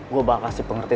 gue bakal kasih pengertian